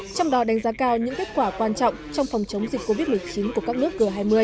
trong đó đánh giá cao những kết quả quan trọng trong phòng chống dịch covid một mươi chín của các nước g hai mươi